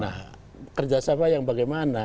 nah kerjasama yang bagaimana